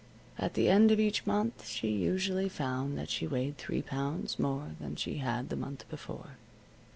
At the end of each month she usually found that she weighed three pounds more than she had the month before.